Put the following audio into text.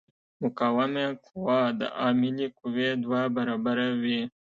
مقاومه قوه د عاملې قوې دوه برابره وي.